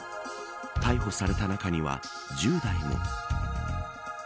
逮捕された中には１０代も。